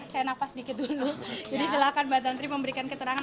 saya nafas sedikit dulu jadi silakan mbak tantri memberikan keterangan